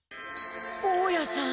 大家さん